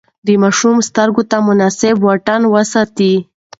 د ماشوم سترګو ته مناسب واټن وساتئ.